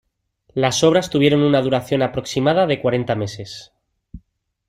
Las obras tuvieron una duración aproximada de cuarenta meses.